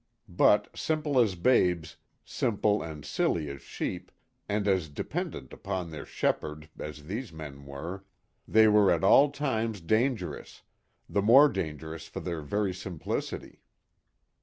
But simple as babes, simple and silly as sheep, and as dependent upon their shepherd, as these men were, they were at all times dangerous, the more dangerous for their very simplicity.